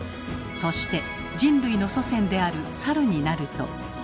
そして人類の祖先であるサルになると。